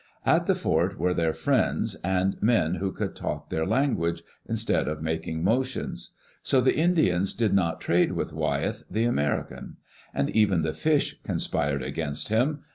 At the fort were their friends, and men who could talk their language, instead of making motions. So the Indians did not trade with Wyeth, the American. And even the fish conspired against him.